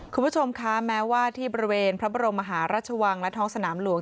คุณผู้ชมคะแม้ว่าที่บริเวณพระบรมมหาราชวังและท้องสนามหลวง